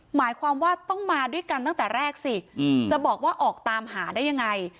หมายความว่าต้องมาด้วยกันตั้งแต่แรกสิจะบอกว่าออกตามหาได้ยังไง